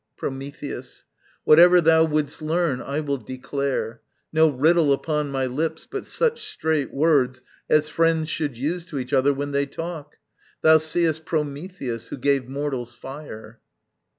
Prometheus. Whatever thou wouldst learn I will declare, No riddle upon my lips, but such straight words As friends should use to each other when they talk. Thou seest Prometheus, who gave mortals fire.